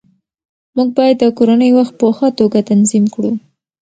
موږ باید د کورنۍ وخت په ښه توګه تنظیم کړو